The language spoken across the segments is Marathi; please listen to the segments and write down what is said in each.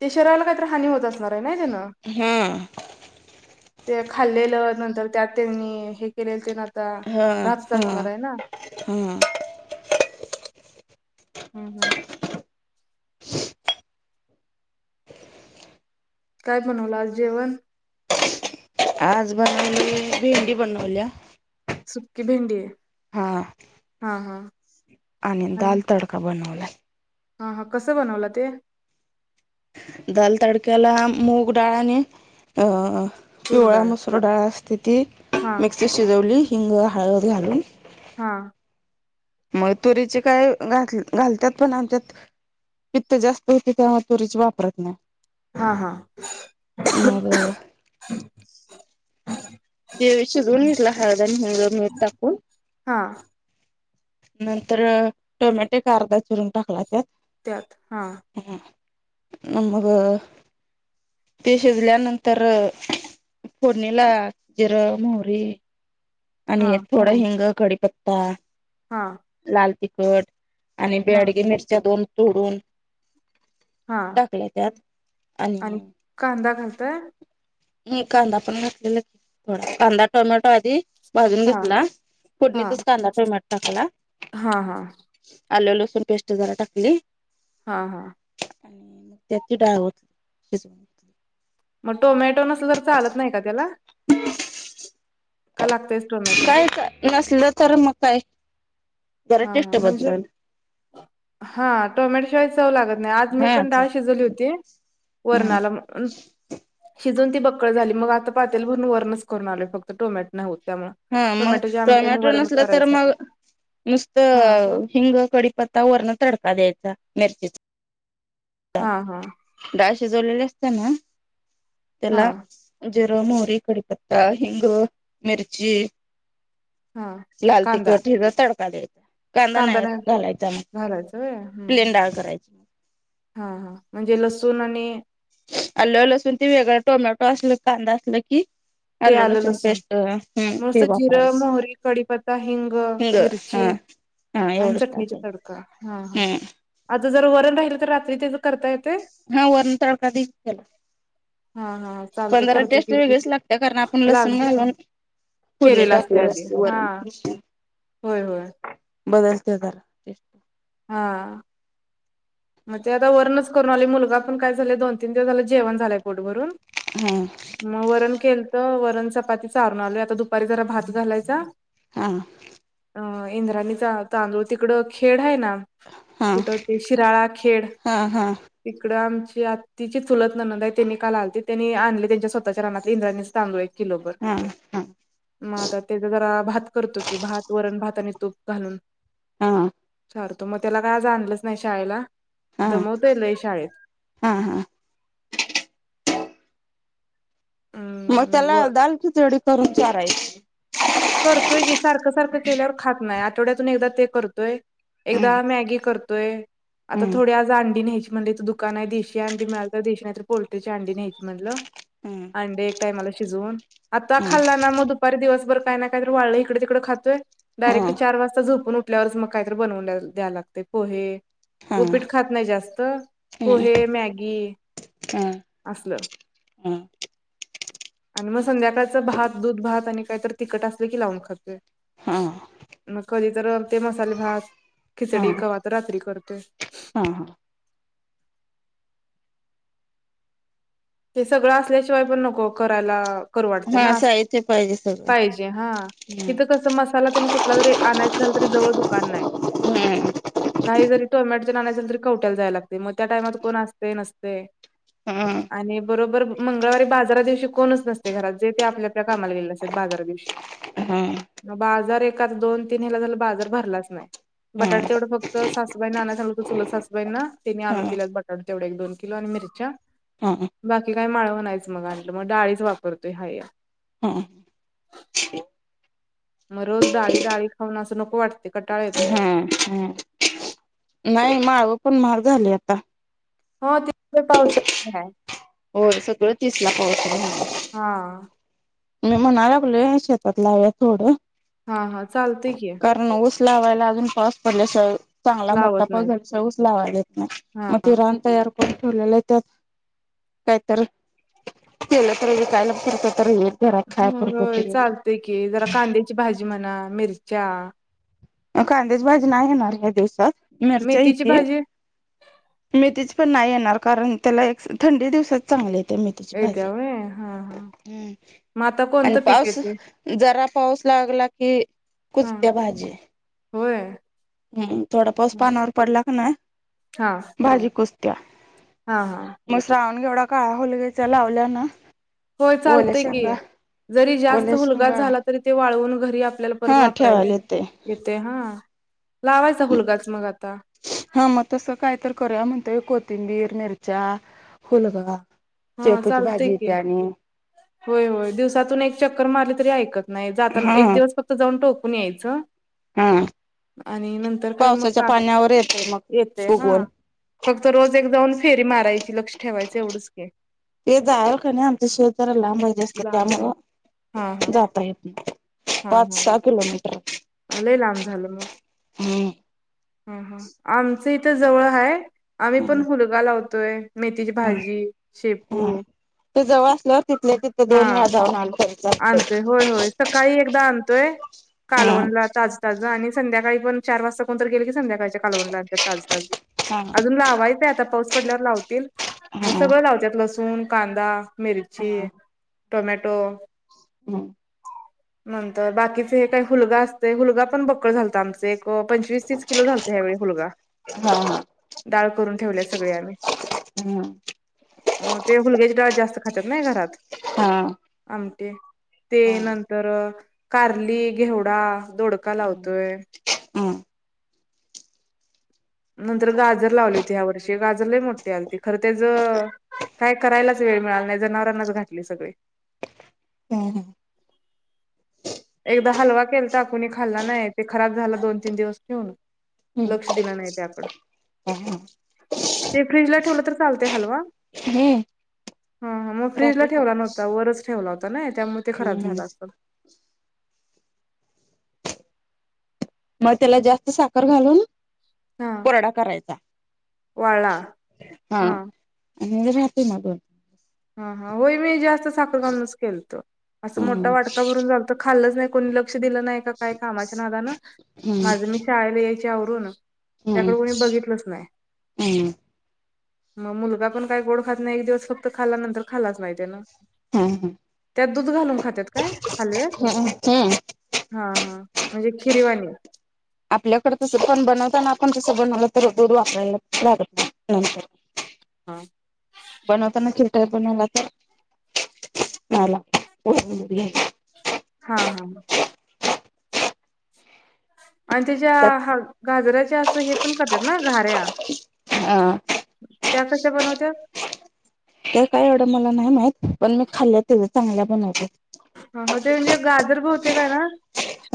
ते शरीराला काहीत हानी होत असणार आहे ना त्यानं हम ते खाल्लेलं नंतर त्यात त्यांनी हे केलेलं ते ता हा राात हा तास मार आहे ना हा हम्म हम्म काय पणवला आज जेवण आज बनवली भेंडी बनवल्या सुकी भेंडी आहे हा हा हा आणि दाल तडका बनवला हा हा कसं बनवलं ते दाल तडक्याला मूग डाळाने अ तूर पिवळा डाळ मसूर डाळ असते ती हा मिक्स शिजवली हिंग हळद घालून हा मग तुरीचे काय घ घालतात पण आणतत पित्त जास्त होते तेव्हा तुरीची वापरत नाही हा हा मग तेवे शिजवून घेतला हळद आणि हंग मीठ टाकून हा नंतर टोमॅटे का अर्धा चिरून टाकला त्यात हा नमग ते शिजल्यानंतर फोडणीला जिरं मोहरी हा आणि थोडं हिंग कडीीपत्ता हा लाल तिखट आणि हा बेडगे मिरच्या दोन तोडून हा टाकल्या त्यात आणि कांदा घालताय हम कांदा पण घातलेला थोडा कांदा टोमॅटो आधी भाजून हा घेतला हा पुोडणीतच कांदा टोमॅटो टाकायला हा हा आलू लसूण पेस्ट जरा टाकली हा हा आणि मग त्यातची डाळ होत श मग टोमॅटो नसल तर चालत नाही का त्याला का लागतयच टोमॅटो काय नसलं तर मग काय जरा हा टेस्ट म्हणजे बदलल. हा टोमॅट शिवाय जा ला आज मी हा पण डाळ शिजली होती व बक्कळ झाली मग आता पात्याल भरून वरणच करून आले फक्त टोमॅट नवत हा मग टोमॅटो नसल तर करायचं मग नुसत हा हिंग कडीपत्ता वरण तडका द्यायचा मिरचीचा हा हा शज असतना हा त्याला जिर मोरी कडीपत हिंग मिरचीी हा लाल कांदा तिखला तडका द्यायचा कांदा नाही घालायचा मग त्यात घालायचं होय हम्म हम्म. प्लेन डाळ करायची मग हा हा म्हणजे लसूण आणि आल लसून ते वेगळं टोमॅटो असल कांदा असलं की ते अल्ले आलं लसुण लसूण पेस्ट हम् मस्त ते वापरायच जिरं मोहरी कडीपत्ता हिंग मिरची हा हा आणि एवढंच चटणीचा टाकायचं तडका हा हा हम्म आता जर वरण राहिल तर रात्री तेच करता येत हा वरण तडकाला हा हा चालते पंधरा करतो टेस्ट की वेगळेच लागते आपण लाग लसण घालून फोडणी केलेलं असते आधी टाकलेते वर हा होय हो बदलते तर हा मग ते आता वर्णच करून आले मुलगा पण काय झाले दोन तीन दिवसाला जेवण झालंय पोटभरून मग वरण केलत ण चपाती चारून आल आता दुपारी जरा भात झालायचा हा अ इंद्रानी तांदळ तिकड खेड आहे ना हा कुठं ते शिराळा खेड हा हा तिकडं आमची आत् तिची चुलत ननंद आहे त्यांनी काल आलती त्यांनी आणली त्यांच्या स्वत च्या नानात इंद्रानीच चांूय लो हा हा मग आ ज भात करतो क भात वण भात तूप घालून हा सरतो मग त्याला काय जाणलंच नाही शाळेला हा दमवते लय शाळेत हा हा मग हम्म त्याला व दाल खिचडी करून चारायची करतोय की सारखं सारखं केल्यावर खात नाही आठवड्यातून एकदा ते करतोय हम्म एकदा मॅगी करतोय आता हम्म थोड्या जांडी न्यायच्या म्हण दुकान आहे दिीशी अंडी मिळाल तर दिीशी नाही त तर पोल्ट्री ची अंडी न्यायची म्हणटलं हम्म अंडे एक टाइमाला शिजवून आता खाल्ला ना मग दुपारी दिवसभर काय ना काहीत वाढलं इकडे तिकडं खातोय हम्म हा डायरेक्ट चार वाजता झोपून उठल्यावरच मग काहीत बनव द्या लागते पो हे हा उओपीट खात नाही जास्त हम्म पोहे मॅगी हा असलं हा आणि मग संध्याकाळच भात दूध भात आणि काहीतरी तिखट असले की लावून खातोय हा मग कधी तर ते मसाले भात हा खिचडी कवा्हा तर रात्री करतेो [inaudible] हा हा हे सगळं असल्याशिवाय पण नको करायला करू वाटते हा ना साहथे पाहिजे सगळं पाहिजे हा हम्म इिथं कस मसाला तन कुठला जरी आणायच झालं तरी जवळ दुकान नाही काही जरी तोय म य तरी कवट्याला जाय लागते मग त्या टाइमात कोण असते नसते हा आणि बरोबर मंगळवारी बाजारा दिवशी कोणच नसते घरात जे ते आपल्या आपल्या कामाला गेलेले असत बाजारा दिवशी हम् एका दोन तीन हेला झाला बाजार भरलाच नाही हम्म हम्म बटाटे तेवढं फक्त सासबाई ना आणा झाचाल होतं चुलं सासबाईंना त्याने आणून हम्म दिल्यास बटाटा तेवढे एक दोन किलो आणि मिरच्या हा बाकी काय माळवण नायच आणल मग डाळीच वापरतोय हा हम्म मग रोज डाळी डाळी खाऊन अस नको वाटते कटाळ येतोय. हम्म हम्म नाही मावळ पण महाग झाले आता. हो ते. पावसाळा आहे हो सगळ तिस ला पावत हम्. हा मी म्हणयला लागले शेतात लावा थोड. हा हा चालतय की. लावायला अजून पास पडल स. चांगला मोठा लावत नाही पगलशवच लावायल्यात ते हा मग ते रान तयार कर. ठेवलेलय त्यात काही तरी केल तर काय लफर तर ये होईल. हो चालतय की जरा कांद्याची भाजी म्हणा मिरच्या. कांद्याच भाजी नाही येणार या दिवसात मिरच्या मेथीची येतिल भाजी मेथिची पण नाही येणार कारण त्याला एक थंडी दिवसच चांगले. ऐकलवे हा. हा हम्म् मग आता आणि कोणतं पीक पाऊस येते जरा पाऊस लागला की हा कुचत्या भाजी. होय हम्म थोडा पाऊस पानावर पडला क ना हा भाजी कुजत्या. हा हा एवढा काळा होलवेच्या लावल्या ना. होय ओल्या चालतय की शेंगा जरी जास्त ओल्या हूलगा शेंगा झाला तरी ते वाळवून घरी. आपल्याला परत हा ठेवायला वापरायला येतय येते हा. लावायचा हुलगाच मग आता हा मग तस काय तर करूया म्हणततोय. तिंबीर मिरच्या हुलगा. हा शेपूची चालतय भाजी की. येत्या आणि होय होय दिवसातून एक चक्कर मारली तरी ऐकत नाही जाताना हा एक दिवस फक्त जाऊन टोक. कोणी यायच. हा आणि नंतर काय मग पावसाच्या पा पाण्यावर येतय येते मग हा उगवून फक्त रोज एक जाऊन. फेरी माराची लक्ष ठेवायच एवढच. ते जावा का नाही आमच शेत जरा लांबय जास्त लांब आहे त्यामुळ हा हा जाता येत नाही. पाच सहा किलोमीटर. अ लय लांब झाल मग हम्म ह ह आम. आमच इथ जवळ हाय आम्ही पण ह मुलगा लावतोय. मेथीची भाजी शेपू ह ते जवळ असल्यावर तिथल्या तिथे हा. दोन वेळा जाऊन आलो तरी आणतोय चालतंय होय होय सकाळी एकदा आणतोय हा कालवणला ताज ताज. आणि संध्याकाळी पण चार वाजता कोणतर गेले की संध्याकाळच्या कालवनला आणतय ताज ताज. अजून हा लावायचय आता पाऊस पडल्यावर लावतील मग हा सगळ लावत्यात लसूण कांदा. मिर्ची टोमॅटो. हम् तर बाकीचे हे काही हुलगा असतोय हुलगा पण बक्कळ झालतय आमच. एक पंचवीस तीस किलो झालतय ह्यावेळी हुलगा. हा हा डाळ करून ठेवल्या सगळे आम्ही हम्म्. अ ते हुलग्याची डाळ जास्त खातात नाय घरात. हा आमटी ते हा नंतर कारली घेवडा दोडका हम्म लावतोय. नंतर गाजर लावली होती ह्या वर्षी गाजर लय मोठी आलीती खर त्याच. काय करायलाच वेळ मिळाला नाही जनावरांनाच घातले सगळे हम् हम्. एकदा हलवा केल तर कुणी खाल्ला नाही ते खराब झाला दोन तीन दिवस ठेऊून लक्ष दिलं नाही ते आपण ते फ्र्रीज ला ठेवलं तर चालते हलवा हम्म ह मग फ्रीजला राहतय की ठेवला नव्हता वरच ठेवला होता ना त्यामुळे ते खराब हम्म झालं होतं मग त्याला जास्त साखर घालून हा कोरडा करायचा वाळला हा आणि राहाती मगून हा हा होई मी जेस्त साखर खाूनच केलत असं मोठा हम्म वाटका भरून जालत खाल्लच नाही कोणी लक्ष दिलं नाही का काय कामाच्या नादाान हम्म माझं मी शाळेला यायचे आवरून हम्म त्याकडे कोणी बघितलंच नाही हम्म मग मुलगा पण काय गोड खात नाही एक दिवस फक्त खाल्ला नंतर खालाच नाहीत ना हम्म त्यात दूध घालून खातात काय हालयात हम्म हम्म हा हा म्हणजे खिरवानी आपल्याकडे तसं पण बनवतना आपण तसं बनवलं तर दूध वापरायला लागत नाही नंतर हा बनवताना ख पणला तर नाला हा हा आणि त्याच्या त्यात ह गाजराचे असं हे पण करतात ना गऱ्या हा त्या कश्या बनवत्या ते काय एवढं मला नाही माहत पण मी खाल्ल त चांगल्या बनवते ह हो ते म्हणजे गाजर बवते काय ना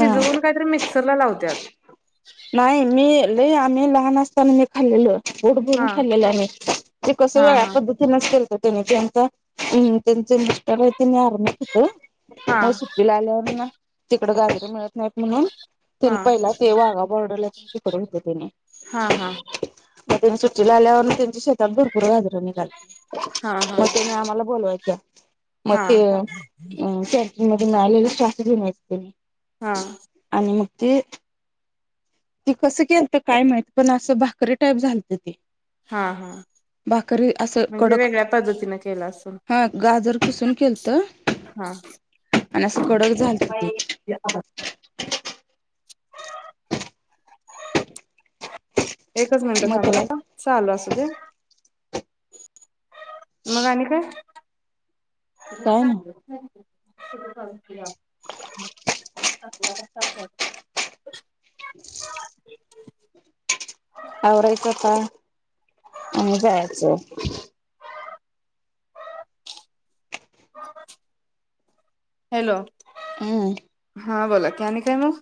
हा काहीतरी मिक्सरला लावते क्यात नाही मी ल आम्ही लहान असताना मी खाल्लेलो बोड भरून हा खाल्लेलं आम्ही ते कस हा वेळा हा पद्धती नस केल तर त्यांचा त्यांचे मिस्टर आहेत तेनी आरम होत हा म सुट्टी ला आल्यावर ना तिकड गाजरे मिळत नाहीत म्हणून तिन हा पहिला तेव आग बॉर्डला त त करतात हा हा मग त्यानी सुट्टी ला आल्यावरून त्यांची शेतात भरपूर गजरून निघाली हा हा मग त्याने आम्हाला बोलवायच म हा ते अ कॅटिन मध्ये [unintelligible] [unintelligible] नला शस्त ज नाही हा इत आणि मग ते ती कसं केलत काय माहत पण असं भाकरी टाईप झालत ते हा हा करी असं म्हणजे कडक वेगळ्या पद्धतीनं केलं असेल हा गाजर किसून केलत. हा असं कडक झालत ते एकच मिनटं मग त्याला थांबा चालू असुदे. मग आणि काय काय नाही [inaudible] [inaudible] [inaudible] [inaudible] आवरयच आता आणी जायच. हो हॅलो, हम् हा बोला की आणि काय मग,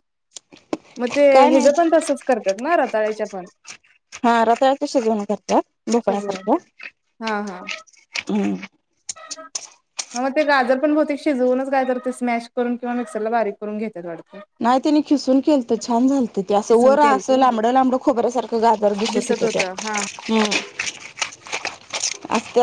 मग ते काय नाही हयाच पण तसंच करतात ना रताळच्या पण हा रताळच शिजवण करतात भोपळ्या शिजवून सारख्या हम्म ह मग मग ते गाजर पण भोवते शिजवूनच काय करते स्मॅश करून किंवा मिक्सरला बारीक करून घेतात वाटत. नाही त्यांनी खिसून केल तर छान झालत ते असं खिसून वर असं केलत लांबडं लांबडं खोबऱ्यासारखं गाजर दिसत. होता हा. हम्. असता.